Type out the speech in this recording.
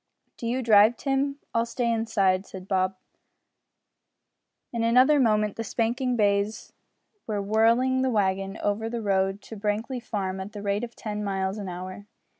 "Do you drive, Tim; I'll stay inside," said Bob. In another moment the spanking bays were whirling the wagon over the road to Brankly Farm at the rate of ten miles an hour.